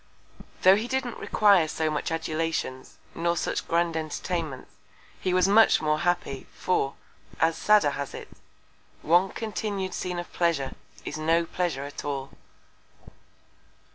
Tho' he didn't require so much Adulations, nor such grand Entertainments, he was much more happy; for, as Sadder has it, One continued Scene of Pleasure, is no Pleasure at all.